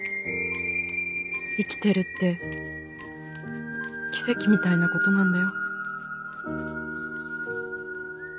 生きてるって奇跡みたいなことなんだよ」。